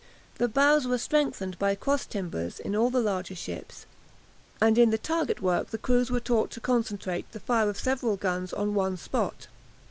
The bows were strengthened by cross timbers in all the larger ships, and in the target work the crews were taught to concentrate the fire of several guns on one spot.